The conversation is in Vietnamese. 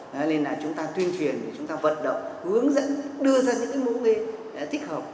nên là chúng ta tuyên truyền chúng ta vận động hướng dẫn đưa ra những mẫu nghề thích hợp